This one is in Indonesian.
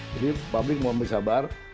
jadi publik mau bersabar